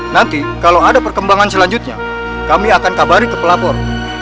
nanti kalau ada perkembangan selanjutnya kami akan kabari ke pelapor